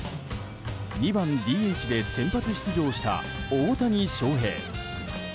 ２番ＤＨで先発出場した大谷翔平。